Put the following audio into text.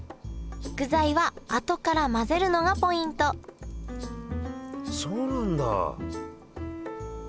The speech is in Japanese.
具材はあとから混ぜるのがポイントそうなんだ。